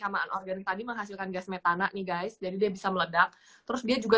sama anorganik tadi menghasilkan gas metana nih guys jadi dia bisa meledak terus dia juga